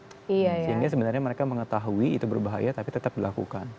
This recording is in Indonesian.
sehingga sebenarnya mereka mengetahui itu berbahaya tapi tetap dilakukan